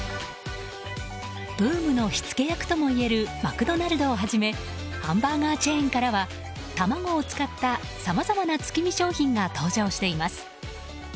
ブームの火付け役ともいえるマクドナルドをはじめハンバーガーチェーンからは卵を使ったさまざまな月見商品が登場しています。